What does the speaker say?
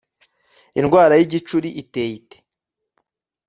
indwara y’igicuri iteye ite?